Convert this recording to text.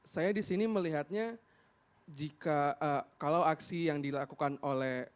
saya di sini melihatnya jika kalau aksi yang dilakukan oleh